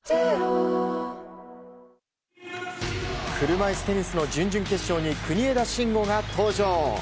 車いすテニスの準々決勝に国枝慎吾が登場。